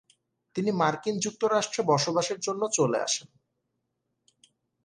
তিনি মার্কিন যুক্তরাষ্ট্রে বসবাসের জন্য চলে আসেন।